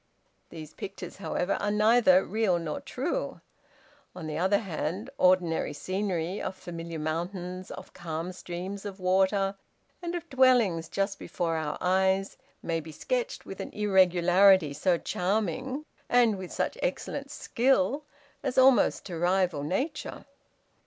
These pictures, however, are neither real nor true. On the other hand, ordinary scenery, of familiar mountains, of calm streams of water, and of dwellings just before our eyes, may be sketched with an irregularity so charming, and with such excellent skill, as almost to rival Nature.